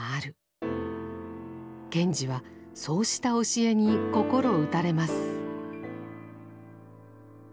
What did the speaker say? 賢治はそうした教えに心打たれます。